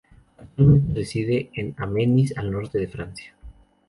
Actualmente, reside en Amiens, al norte de Francia.